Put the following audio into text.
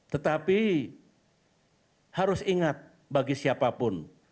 tetapi harus ingat bagi siapapun